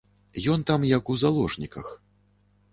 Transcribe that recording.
Ён там як у заложніках.